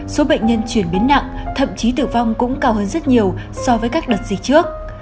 số bệnh nhân chuyển biến nặng thậm chí tử vong cũng cao hơn rất nhiều so với các đợt dịch trước